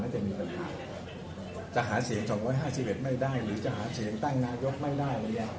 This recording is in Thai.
จะมีปัญหาจะหาเสียง๒๕๑ไม่ได้หรือจะหาเสียงตั้งนายกไม่ได้หรือยัง